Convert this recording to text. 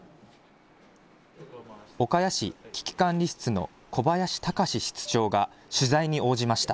岡谷市危機管理室の小林隆志室長が取材に応じました。